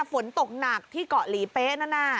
ฝนตกหนักที่เกาะหลีเป๊ะนั่นน่ะ